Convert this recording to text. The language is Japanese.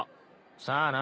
さあな。